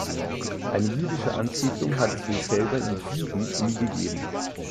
Eine jüdische Ansiedlung hat es wohl selber in Sieden nie gegeben.